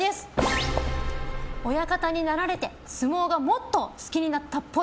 親方になられて相撲がもっと好きになったっぽい。